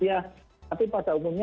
tapi pada umumnya